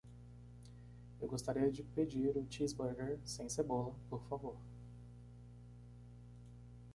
Eu gostaria de pedir o cheeseburger sem cebola? por favor.